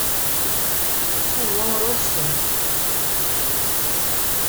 Sei l'uomo rosso!".